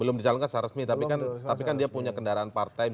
belum dicalonkan secara resmi tapi kan dia punya kendaraan partai